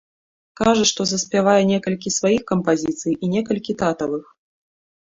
Кажа, што заспявае некалькі сваіх кампазіцый і некалькі татавых.